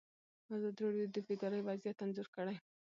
ازادي راډیو د بیکاري وضعیت انځور کړی.